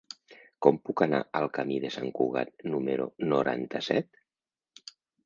Com puc anar al camí de Sant Cugat número noranta-set?